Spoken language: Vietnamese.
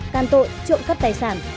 càn tội trộm cắt tài sản